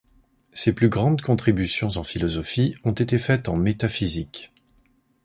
Ses plus grandes contributions en philosophie ont été faites en métaphysique.